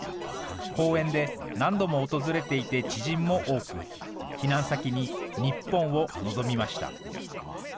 公演で何度も訪れていて知人も多く、避難先に日本を望みました。